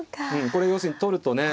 これ要するに取るとね。